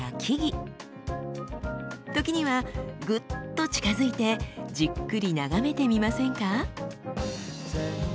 時にはグッと近づいてじっくり眺めてみませんか。